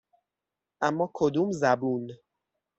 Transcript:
اما کدوم زبون؟